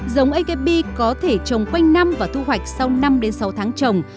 giống akb có thể trồng quanh năm và thu hoạch sau năm sáu tháng trồng